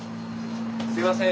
すみません。